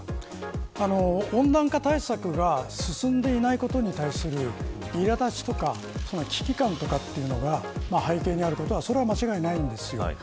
温暖化対策が進んでいないことに対するいら立ちとか危機感とかというのが背景にあることは間違いないんです。